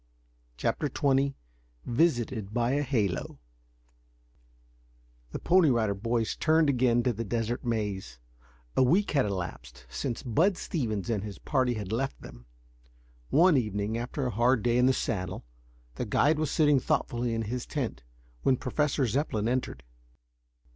CHAPTER XX VISITED BY A HALO The Pony Rider Boys turned again to the Desert Maze. A week had elapsed since Bud Stevens and his party had left them. One evening, after a hard day in the saddle, the guide was sitting thoughtfully in his tent, when Professor Zepplin entered.